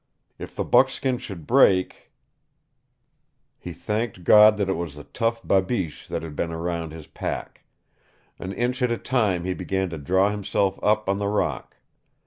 If the buckskin should break He thanked God that it was the tough babiche that had been around his pack. An inch at a time he began to draw himself up on the rock.